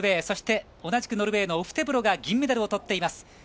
そして、同じくノルウェーのオフテブロが銀メダルをとっています。